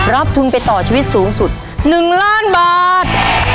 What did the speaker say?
ทุนไปต่อชีวิตสูงสุด๑ล้านบาท